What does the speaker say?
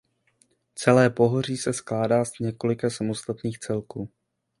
Celé pohoří se skládá z několika samostatných celků.